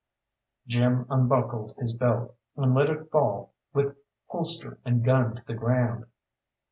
Jim unbuckled his belt, and let it fall with holster and gun to the ground.